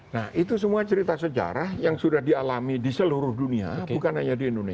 nah itu semua cerita sejarah yang sudah dialami di seluruh dunia bukan hanya di indonesia